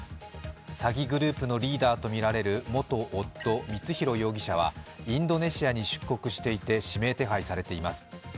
詐欺グループのリーダーとみられる元夫・光弘容疑者はインドネシアに出国していて、指名手配されています。